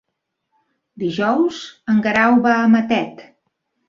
Dijous en Guerau va a Matet.